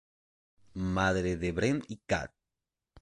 Madre de Wren y Cath.